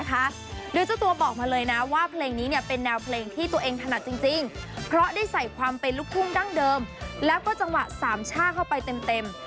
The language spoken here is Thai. โดยเจ้าตัวบอกมาเลยนะว่าเพลงนี้เป็นแนวเพลงที่ตัวเองถนัดจริงเพราะได้ใส่ความเป็นลูกทุ่งดั้งเดิมแล้วก็จังหวะสามช่าเข้าไปเต็ม